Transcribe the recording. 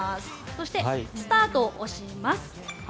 そして、スタートを押します。